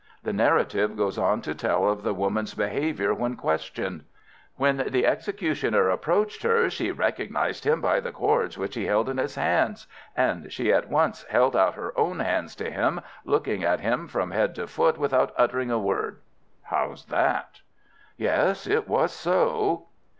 The narrative goes on to tell of the woman's behaviour when questioned. 'When the executioner approached her she recognized him by the cords which he held in his hands, and she at once held out her own hands to him, looking at him from head to foot without uttering a word.' How's that?" "Yes, it was so."